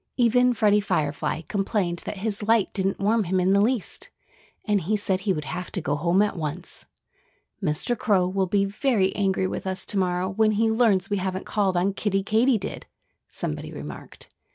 Even Freddie Firefly complained that his light didn't warm him in the least. And he said he would have to go home at once. "Mr. Crow will be very angry with us to morrow when he learns we haven't called on Kiddie Katydid," somebody remarked.